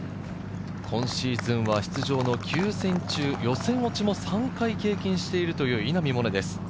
今シーズンは出場の９戦中、予選落ちも３回経験しているという稲見萌寧です。